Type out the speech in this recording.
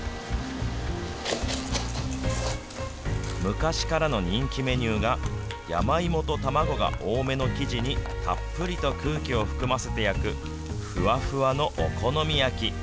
昔からの人気メニューが、山芋と卵が多めの生地に、たっぷりと空気を含ませて焼く、ふわふわのお好み焼き。